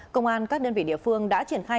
công an các đơn vị địa phương đã triển khai